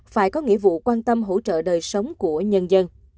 phải có nghĩa vụ quan tâm hỗ trợ đời sống của nhân dân